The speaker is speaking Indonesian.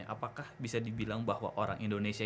apakah bisa dibilang bahwa orang indonesia